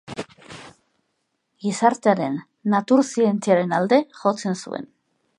Gizartearen natur zientziaren alde jotzen zuen.